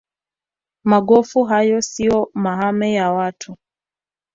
magofu hayo siyo mahame ya watu